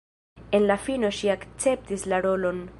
En la fino ŝi akceptis la rolon.